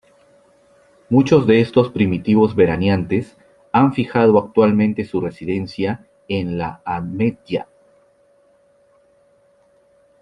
Muchos de estos primitivos veraneantes han fijado actualmente su residencia en La Ametlla.